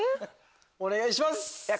お願いします！